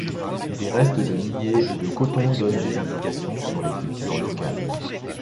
Des restes de millet et de coton donnent des indications sur les cultures locales.